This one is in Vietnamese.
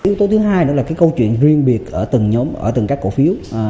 yếu tố thứ hai là câu chuyện riêng biệt ở từng nhóm ở từng các cổ phiếu